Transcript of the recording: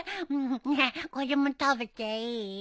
ねえこれも食べていい？